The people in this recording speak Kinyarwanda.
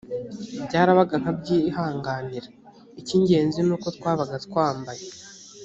byarabaga nkabyihanganira icy ingenzi ni uko twabaga twambaye